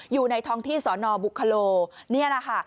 อยู่ในท้องที่สนบุคคโลนี่นะคะ